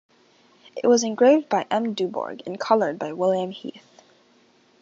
It was engraved by M Dubourg and coloured by William Heath.